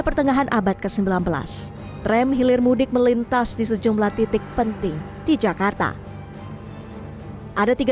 pertengahan abad ke sembilan belas tram hilir mudik melintas di sejumlah titik penting di jakarta ada tiga